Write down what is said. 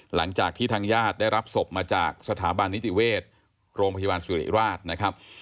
หลังจากที่ทางญาติได้รับศพมาจากสถาบันนิติเวชโรงพยาบาลสุริราชนะครับ